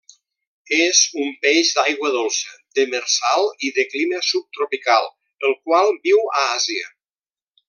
És un peix d'aigua dolça, demersal i de clima subtropical, el qual viu a Àsia.